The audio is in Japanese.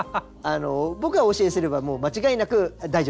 僕がお教えすればもう間違いなく大丈夫です。